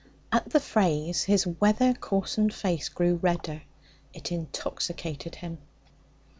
At the phrase his weather coarsened face grew redder. It intoxicated him.